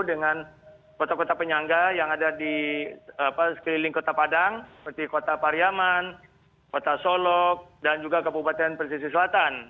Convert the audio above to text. dengan kota kota penyangga yang ada di sekeliling kota padang seperti kota pariaman kota solok dan juga kabupaten persisir selatan